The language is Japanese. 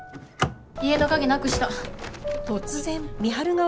家の鍵なくした。